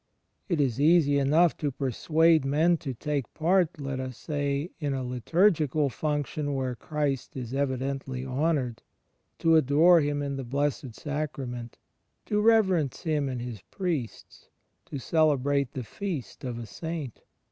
It is easy enough to persuade men to take part, let us say, in a liturgical fimction where Christ is evidently honoured; to adore Him in the Blessed Sacrament; to reverence Him in His priests; to celebrate the feast of a saint.